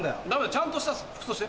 ちゃんとした服装して。